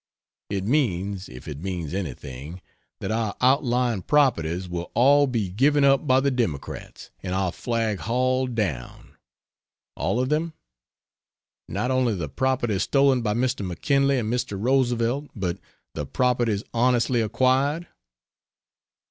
It means, if it means anything, that our outlying properties will all be given up by the Democrats, and our flag hauled down. All of them? Not only the properties stolen by Mr. McKinley and Mr. Roosevelt, but the properties honestly acquired?